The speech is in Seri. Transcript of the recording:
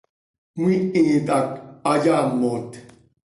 ¡Cömiihit hac hayaamot!